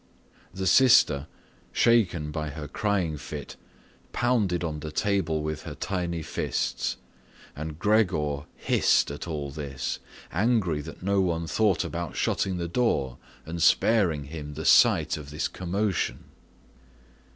The sister, shaken by her crying fit, pounded on the table with her tiny fists, and Gregor hissed at all this, angry that no one thought about shutting the door and sparing him the sight of this commotion.